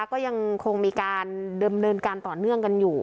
ก็ยังคงมีการเดิมเนินการต่อเนื่องกันอยู่